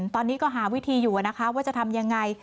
ตอนนี้ก็หาวิธีอยู่นะคะว่าจะทำยังไง